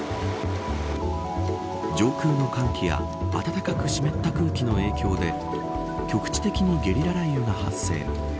上空の寒気や暖かく湿った空気の影響で局地的にゲリラ雷雨が発生。